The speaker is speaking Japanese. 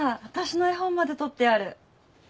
私の絵本まで取ってある。